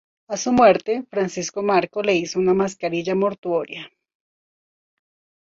A su muerte, Francisco Marco le hizo una mascarilla mortuoria.